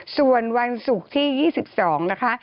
ส่วนวันศุกร์ที่๒๒นะคะ